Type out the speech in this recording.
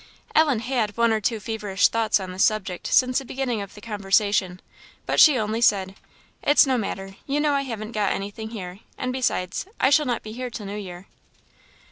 Ellen had had one or two feverish thoughts on this subject since the beginning of the conversation, but she only said "It's no matter you know I haven't got anything here; and besides, I shall not be here till New Year."